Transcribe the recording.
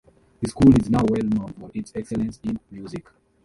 The school is now well known for its excellence in music.